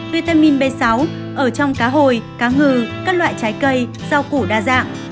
vitamin b sáu ở trong cá hồi cá ngừ các loại trái cây rau củ đa dạng